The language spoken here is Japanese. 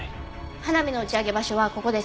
花火の打ち上げ場所はここです。